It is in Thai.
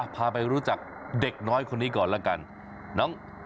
พาไปรู้จักเด็กน้อยคนนี้ก่อนละกัน